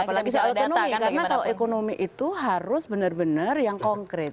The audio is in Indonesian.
apalagi soal ekonomi karena kalau ekonomi itu harus benar benar yang konkret